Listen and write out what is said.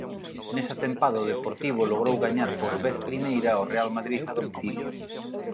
Nesa tempada o Deportivo logrou gañar por vez primeira ao Real Madrid a domicilio.